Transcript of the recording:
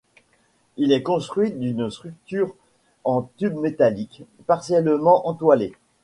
Il est construit d'une structure en tubes métalliques, partiellement entoilée.